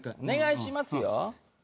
お願いしますよ。